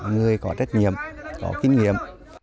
người có trách nhiệm có kinh nghiệm